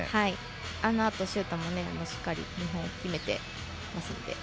あのあとシュートもしっかり２本決めていますので。